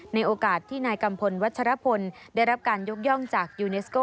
ในโอกาสที่นายกัมพลวัชรพลได้รับการยกย่องจากยูเนสโก